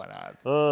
うん。